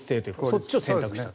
そっちを選択したと。